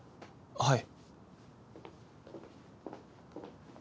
はい。